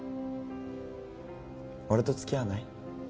「俺と付き合わない？」